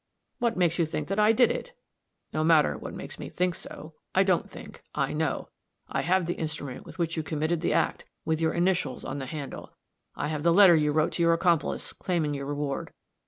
"What makes you think that I did it?" "No matter what makes me think so I don't think, I know. I have the instrument with which you committed the act, with your initials on the handle. I have the letter you wrote to your accomplice, claiming your reward.